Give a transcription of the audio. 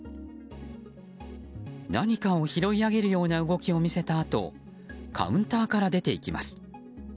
何かを拾い上げるような動きを見せたあとカウンターから出ていきます。